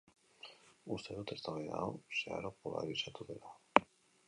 Uste dut eztabaida hau zeharo polarizatu dela.